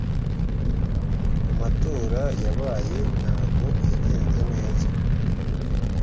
mu matora yabaye ntago yagenze neza